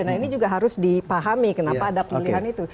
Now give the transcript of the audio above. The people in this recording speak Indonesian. nah ini juga harus dipahami kenapa ada pilihan itu